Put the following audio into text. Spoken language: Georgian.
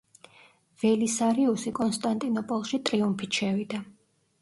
ველისარიუსი კონსტანტინოპოლში ტრიუმფით შევიდა.